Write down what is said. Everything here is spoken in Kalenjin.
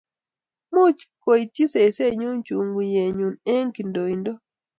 Much kuityi sesenyu chukuyenyu eng' kindoindo